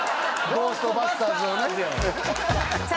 ゴーストバスターズ！やねん